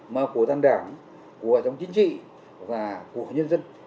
mà của toàn đảng của hoạt động chính trị và của nhân dân